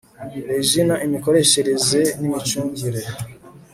RIGENA IMIKORESHEREZE N IMICUNGIRE